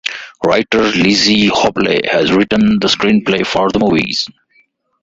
Writer Lizzie Hopley has written the screenplay for the movie.